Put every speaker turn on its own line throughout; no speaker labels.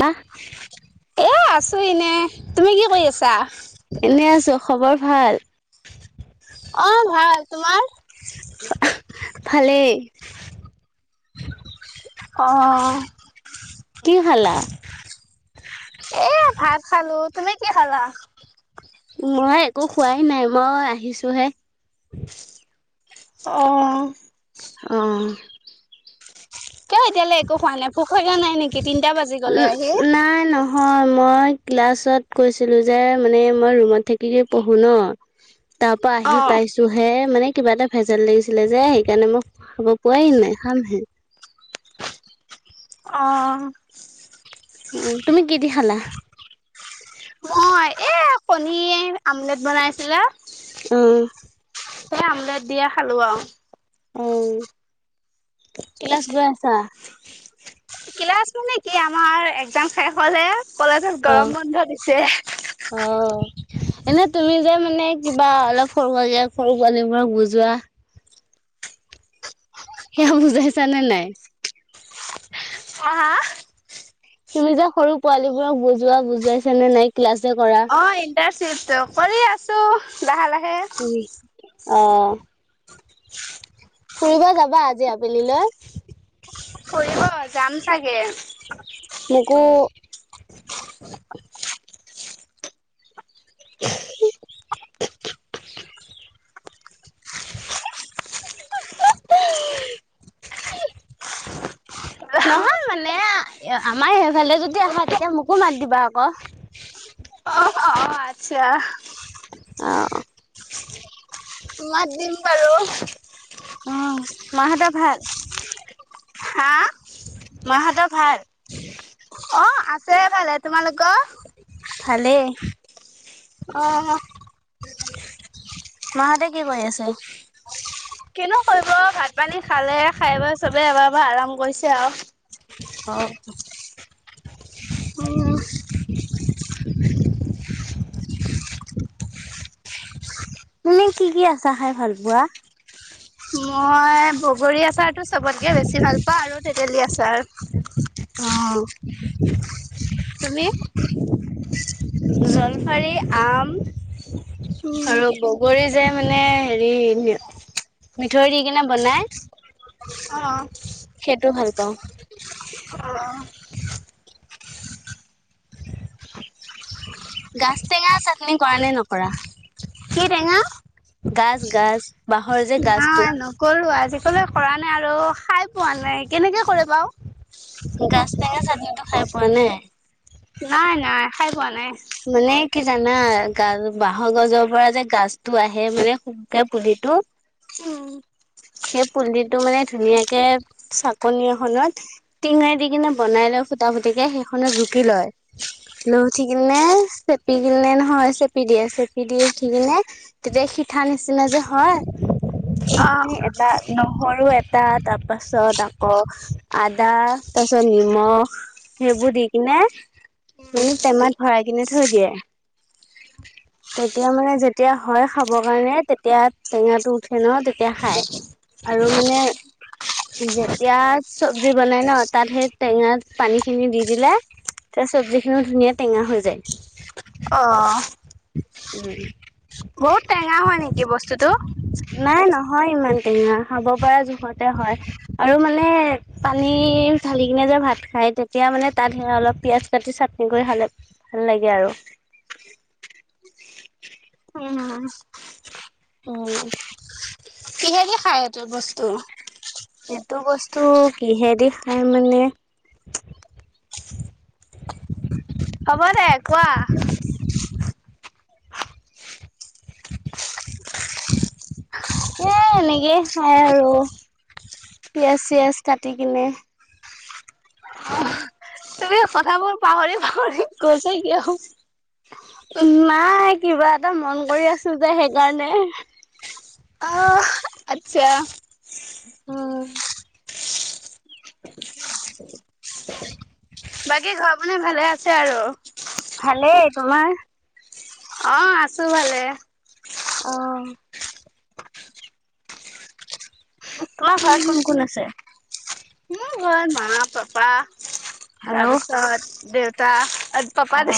না।
এ আছো এনে তুমি কি কৰি আছা
এনেই আছো। খবৰ ভাল?
অ ভাল তোমাৰ
ভালেই।
অঁ
কি খালা
এ ভাত খালো তুমি কি খালা?
মই একো খোৱাই নাই মই আহিছো হে [inaudible]
অ।
অহ
কিয় এতিয়ালৈ একো হোৱা নাই ভোক লগা নাই নেকি তিনটা বাজি গ'লে
উম
আহি।
নাই ন হয় মই ক্লাছত কৈছিলো যে মানে মই ৰুমত থাকে পঢ়ো ন। তাৰ পৰা
অ
আহি পাইছো হে মানে কিবা এটা ভেজাল লাগিছিলে যে সেইকাৰণে মই খাব পোৱাই নাই খামহে
অ
উম তুমি কি দি খালা? [inaudible]
পনীৰ আমলেট বনাইছিলা
অ
সেই আমলেট দিয়ে খালো আৰু।
অঁ ক্লাচ গৈ আছা।
ক্লাছ মানে কি আমাৰ এক্জাম শেষ হলে কলেজত
অ
গৰম বন্ধ দিছে।
অ এনে তুমি যে মানে কিবা অলপ সৰুাকে সৰু পোৱালীবোৰক বুজোৱা। সেয়া বুজাইছা নে নাই
হা হা
তুমি যে সৰু পোৱালী বোৰক বুজোৱা, বুজুৱাইছা নে নাই ক্লাছ
[unintelligible] অ ইণ্টাৰশিপ কৰি আছো লাহে-লাহে [inaudible]
অহঁ। ফুৰিব যাবা আজি আবেলি লৈ।
ফুৰিব যাম চাগে।
মোকো [unintelligible] নহয় মানে আমাৰ সেইফালে যদি আহা তেতিয়া মোকো মাত দিবা আকৌ
অ [unintelligible] আচ্ছা।
আহ।
মাত দিম বাৰু।
অ মা হঁতৰ ভাল
হা
ঘ
অঁ! আছে এইফালে তোমালোকৰ
ভালেই
অ',
মাহঁতে কি কৰি আছে?
কিনো কৰিব ভাত পানী খালে খাই বৈ চবে এবাৰ এবাৰ আৰাম কৰিছে আৰু।
অ।
আৰু
মানে কি কি আছা খাই ভাল পোৱা
মই বগৰী আচাৰটো চবতকে বেছি ভাল পাওঁ আৰু তেতেলী আচাৰ
অহঁ
তুমি।
জলফাৰী, আম
উম,
আৰু বগৰী যে মানে হেৰি, মিঠৈ দি কিনে বনাই। সেইটো ভাল পাওঁ
অ',
গাছ টেঙা চাটনি কৰা নে নকৰা
কি টেঙা
গাজ-গাজ বাঁহৰ যে গাজ
আহ নকৰো আজিকালি কৰা নাই আৰু খাই পোৱা নাই কেনেকে কৰে বাও?
গাজ টেঙা চাটনিটো খাই পোৱা নাই।
নাই নাই খাই পোৱা নাই
মানে কি জানা গাজ বাঁহৰ গছৰ পৰা যে গাজটো আহে মানে সুককে পুলি টো
উম
সেই পুলিটো মানে ধুনীয়াকে চাকনি এখনত টিঙাই দি কিনে বনাই লৈ ফুটা ফুটিকে সেইখনত ৰুকি লয়, লৈ উঠি কিনে চেপি কিনে নহয় চেপি দিয়ে চেপি দি উঠি কিনে তেতিয়া সিঠা নিচিনা যে হয় স ন এটা। নহৰু এটা তাৰপাছত, আকৌ আদা তাৰপিছত নিমখ। সেইবোৰ দি কিনে মানে টেমাত ভৰাই কিনে থৈ দিয়ে [inaudible] তেতিয়া মানে যেতিয়া হয় খাব কাৰণে তেতিয়া টেঙাটো উঠে ন তেতিয়া খায় আৰু মানে যেতিয়া চব্জি বনাই ন তাত সেই টেঙাত পানী খিনি দি দিলে [unintelligible] চব্জিখিনিও ধুনীয়া টেঙা হৈ যায়।
অ', অ', বহুত
[unintelligible]
টেঙা হয় নেকি বস্তুতটো
নাই নহয় ইমান টেঙা খাব পৰা জোখতে হয়। আৰু মানে পানী ঢালি কিনে ভাত খাই তেতিয়া মানে তাত সে অলপ পিয়াজ কাটি চাটনি কৰি খালে ভাল লাগে আৰু। কি [unintelligible]
উম,
অঁ
খায় এইটো বস্তু।
এইটো বস্তু কিহেৰি খাই মানে
হ'ব দে কোৱা
এ এনেকেই খাই আৰু পিয়াঁজ-চিয়াঁজ কাটি কিনে
[unintelligible] কথাবোৰ পাহৰি-পাহৰি গৈছে কিয়?
নাই কিবা এটা মন কৰি আছো যে সেইকাৰণে
অহঁ আচ্ছা।
অহঁ। [unintelligible]
বাকী ঘৰ বুলি ভালে আছে আৰু
ভালেই। তোমাৰ?
অ আছো ভালে।
আহ [inaudible] তোমাৰ ঘৰত কোন কোন আছে?
মোৰ ঘৰত মা, পাপা
আৰু
তাৰপিছত দেউতা আজ পাপ আদ।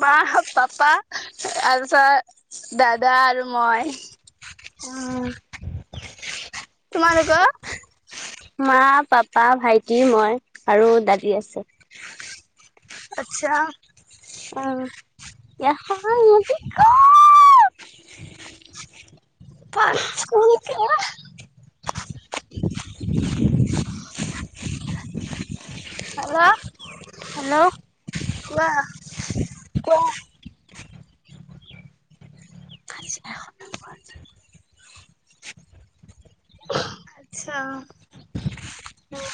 মা, পাপা তাৰ পিছত দাদা আৰু মই
অঁ।
তোমালোকৰ?
মা, পাপা, ভাইটি, মই আৰু দাদী আছে।
আচ্ছা।
[unintelligible]
[unintelligible]
[unintelligible]
হেল্ল'
হেল্ল'
কোৱা?
কোৱা। [unintelligible]
আচ্ছা।
উম।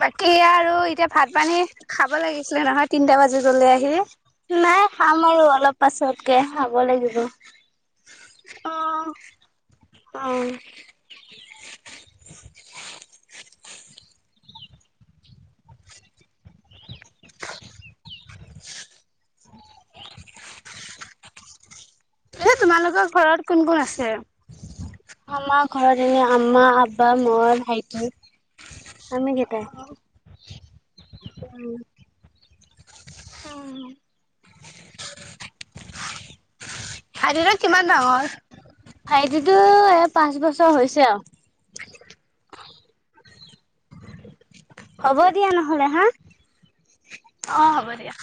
বাকী আৰু এতিয়া ভাত পানী খাব লাগিছিলে নহয় তিনটা বাজিলে আহিলি।
নাই খাম আৰু অলপ পাছতকে খাব লাগিব। আহ।
এ তোমালোকৰ ঘৰত কোন কোন আছে।
আমাৰ ঘৰত এনে আমা আবা মই ভাইটি। আমিকেতাই
ভাইতিটো কিমান ডাঙৰ
ভাইটি এ পাঁচ বছৰ হৈছে আৰু। হ'ব দিয়া নহ'লে হা [unintelligible]
অ হ'ব দিয়া।